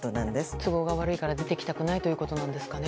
都合が悪いから出ていきたくないということですかね。